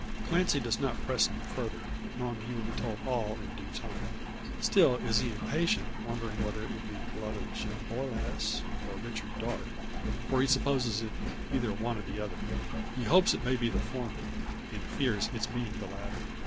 Clancy does not press him further, knowing he will be told all in due time. Still, is he impatient, wondering whether it be the blood of Jim Borlasse, or Richard Darke; for he supposes it either one or the other. He hopes it may be the former, and fears its being the latter.